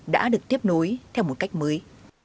đã được tiếp nối theo một cách mới